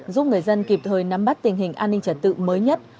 giúp người dân kịp thời nắm bắt tình hình an ninh trật tự mới nhất